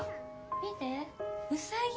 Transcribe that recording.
見てウサギ。